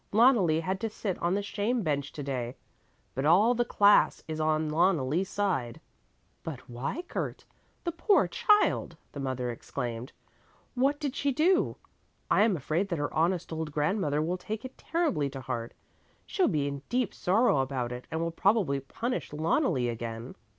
Loneli had to sit on the shame bench to day. But all the class is on Loneli's side." "But why, Kurt? The poor child!" the mother exclaimed. "What did she do? I am afraid that her honest old grandmother will take it terribly to heart. She'll be in deep sorrow about it and will probably punish Loneli again."